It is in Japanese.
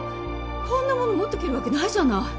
こんなもの持っていけるわけないじゃない！